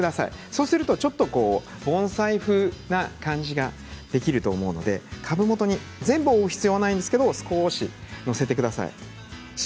そうすると、ちょっと盆栽風な感じができると思うので株元に全部覆う必要はないんですけど少し載せてください。